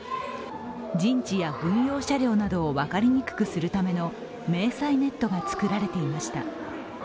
陣地や軍用車両などを分かりにくくするための迷彩ネットが作られていました。